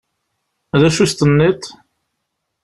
D acu i as-tenniḍ?